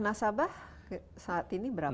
nasabah saat ini berapa